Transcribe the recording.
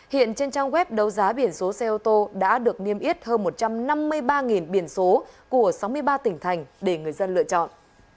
hiện trên trang web đấu giá biển số xe ô tô đã được niêm yết hơn một trăm năm mươi ba biển số của sáu mươi ba tỉnh thành để người dân lựa chọn